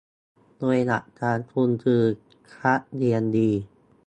โดยหลักการทุนคือคัดเรียนดี